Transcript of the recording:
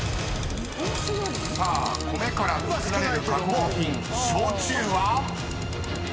［さあ米から作られる加工品焼酎は⁉］